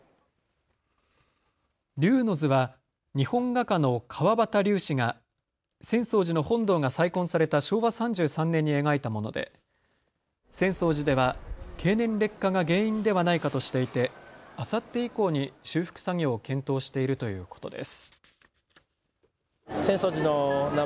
龍之図は日本画家の川端龍子が浅草寺の本堂が再建された昭和３３年に描いたもので浅草寺では経年劣化が原因ではないかとしていてあさって以降に修復作業を検討しているということです。